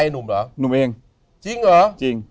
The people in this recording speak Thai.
หรือนุ่มเองจริงเหรอจริง